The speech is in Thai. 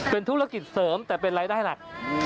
เป็นธุรกิจเสริมแต่เป็นรายได้หลัก